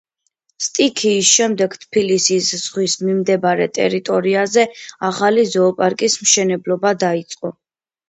სტიქიის შემდეგ თბილისის ზღვის მიმდებარე ტერიტორიაზე ახალი ზოოპარკის მშენებლობა დაიწყო.